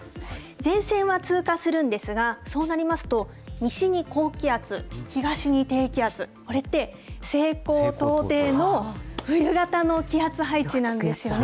前線は通過するんですが、そうなりますと、西に高気圧、東に低気圧、これって、西高東低の冬型の気圧配置なんですよね。